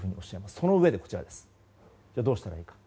そのうえで、どうしたらいいか。